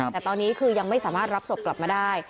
แต่ตอนนี้คือยังไม่สามารถรับศพกลับมาได้